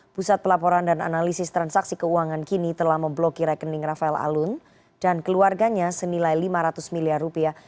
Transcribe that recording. pusat pelaporan dan analisis transaksi keuangan kini telah memblokir rekening rafael alun dan keluarganya senilai lima ratus miliar rupiah